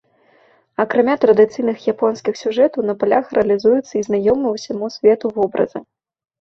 Акрамя традыцыйных японскіх сюжэтаў на палях рэалізуюцца і знаёмыя ўсяму свету вобразы.